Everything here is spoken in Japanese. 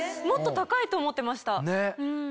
もっと高いと思ってました。